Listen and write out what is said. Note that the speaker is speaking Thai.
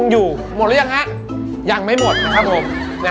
ยังไม่หมดครับผม